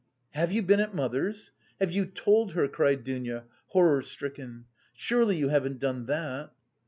"Have you been at mother's? Have you told her?" cried Dounia, horror stricken. "Surely you haven't done that?"